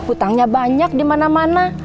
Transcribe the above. utangnya banyak dimana mana